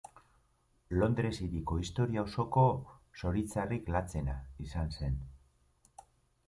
Londres hiriko historia osoko zoritxarrik latzena izan zen.